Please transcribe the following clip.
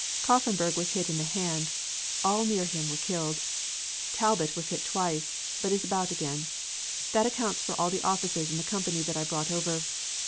Coffenburg was hit in the hand, all near him were killed. Talbot was hit twice, but is about again. That accounts for all the officers in the company that I brought over.